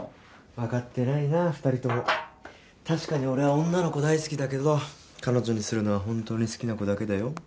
分かってないなぁ２人とも確かに俺は女の子大好きだけど彼女にするのは本当に好きな子だけだよ